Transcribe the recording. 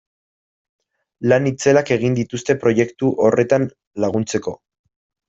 Lan itzelak egin dituzte proiektu horretan laguntzeko.